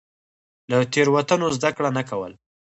له تېروتنو زده کړه نه کول.